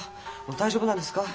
大丈夫なんですか？